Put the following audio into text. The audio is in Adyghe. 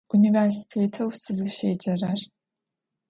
Университетэу сызыщеджэрэр.